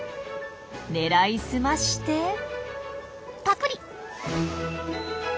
狙いすましてパクリ！